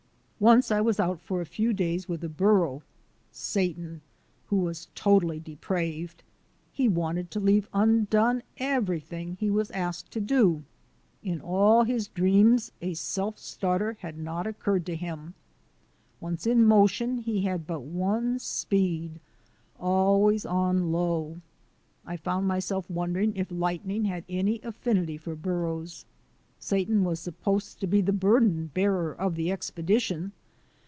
Once I was out for a few days with a burro, Satan, who was totally depraved. He wanted to leave undone everything that he was asked to do. In all his dreams a self starter had not occurred to him. Once in motion he had but one speed — al ways on low. I found myself wondering if lightning LIGHTNING AND THUNDER 135 had any affinity for burros. Satan was supposed to be the burden bearer of the expedition.